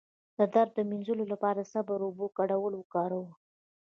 د درد د مینځلو لپاره د صبر او اوبو ګډول وکاروئ